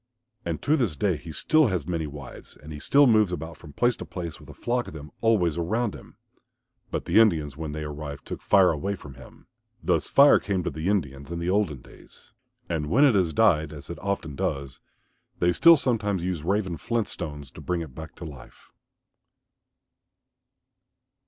And to this day he still has many wives and he still moves about from place to place with a flock of them always around him. But the Indians when they arrived took Fire away from him. Thus Fire came to the Indians in the olden days. And when it has died, as it often does, they still sometimes use Raven's flint stones to bring it back to life.